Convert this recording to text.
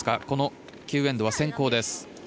この９エンドは先攻です。